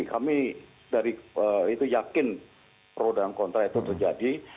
kami yakin pro dan kontra itu terjadi